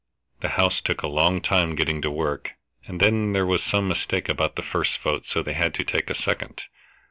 The House took a long time getting to work, and then there was some mistake about the first vote, so they had to take a second.